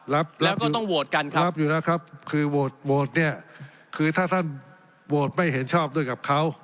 รับแล้วก็ต้องโหวตกันครับรับอยู่แล้วครับคือโหวตโหวตเนี่ยคือถ้าท่านโหวตไม่เห็นชอบด้วยกับเขา